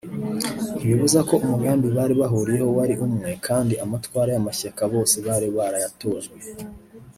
ntibibuza ko umugambi bari bahuriyeho wari umwe kandi amatwara y’amashyaka bose bari barayatojwe